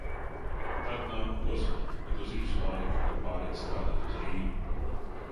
Tad nāk Ozola, bet uz īsu laiku, jo pāriet strādāt uz Rīgu.